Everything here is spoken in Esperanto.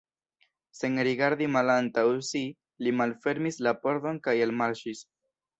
Sen rigardi malantaŭ si, li malfermis la pordon kaj elmarŝis.